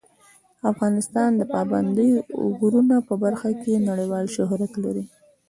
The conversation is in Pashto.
افغانستان د پابندی غرونه په برخه کې نړیوال شهرت لري.